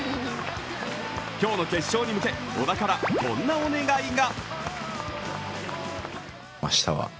今日の決勝に向け、小田からこんなお願いが。